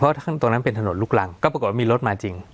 เพราะทั้งตรงนั้นเป็นถนนลูกรังก็ปรากฏว่ามีรถมาจริง